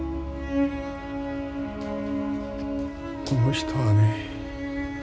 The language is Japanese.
この人はね